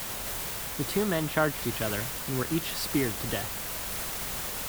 The two men charged each other, and were each speared to death.